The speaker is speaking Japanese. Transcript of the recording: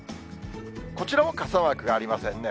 こちらも傘マークがありませんね。